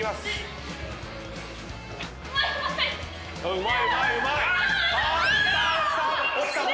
うまいうまいうまい！あ落ちた！